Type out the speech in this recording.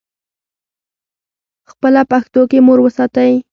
خپله پښتو لکه مور وساتئ